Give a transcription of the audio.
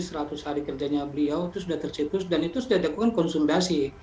jadi seratus hari kerjanya beliau itu sudah tercetus dan itu sudah diakukan konsolidasi